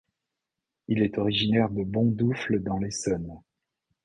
Il est originaire de Bondoufle dans l'Essonne.